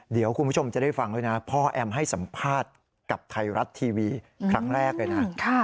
เดี๋ยวคุณผู้ชมจะได้ฟังด้วยนะพ่อแอมให้สัมภาษณ์กับไทยรัฐทีวีครั้งแรกเลยนะ